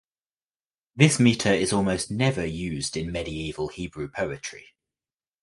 This metre is almost never used in medieval Hebrew poetry.